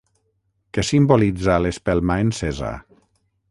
Què simbolitza l'espelma encesa?